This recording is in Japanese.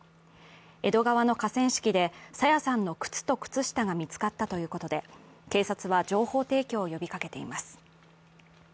江戸川の河川敷で朝芽さんの靴と靴下が見つかったということで、警察は情報提供を呼びかけています。